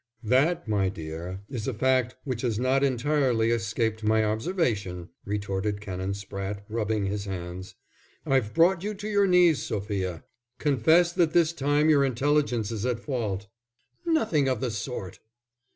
"That, my dear, is a fact which has not entirely escaped my observation," retorted Canon Spratte, rubbing his hands. "I've brought you to your knees, Sophia. Confess that this time your intelligence is at fault." "Nothing of the sort!"